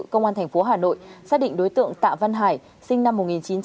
công an thành phố hà nội xác định đối tượng tạ văn hải sinh năm một nghìn chín trăm tám mươi